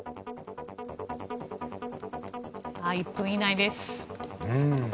さあ１分以内です。